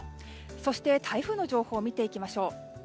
そして、台風の情報を見ていきましょう。